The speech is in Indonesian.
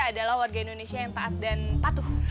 adalah warga indonesia yang taat dan patuh